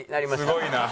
すごいな。